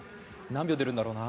何秒出るんだろうな。